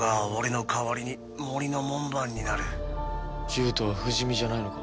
獣人は不死身じゃないのか？